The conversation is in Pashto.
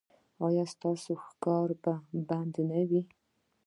ایا ستاسو ښکار به بند نه وي؟